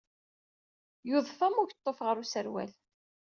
Yudef-am ukeḍḍuf ɣer userwal.